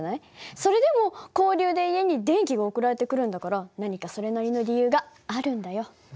それでも交流で家に電気が送られてくるんだから何かそれなりの理由があるんだよ。